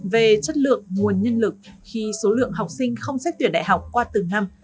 về chất lượng nguồn nhân lực khi số lượng học sinh không xét tuyển đại học qua từng năm